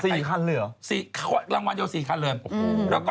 ๔คันเลยเหรอรางวัลเดียว๔คันเลย